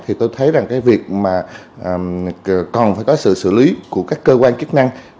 thì tôi thấy rằng cái việc mà cần phải có sự xử lý của các cơ quan chức năng